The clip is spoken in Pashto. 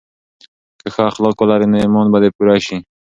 که ښه اخلاق ولرې نو ایمان به دې پوره شي.